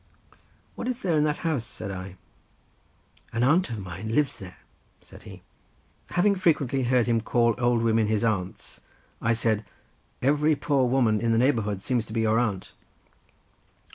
"What is there in that house?" said I. "An aunt of mine lives there," said he. Having frequently heard him call old women his aunts, I said, "Every poor old woman in the neighbourhood seems to be your aunt."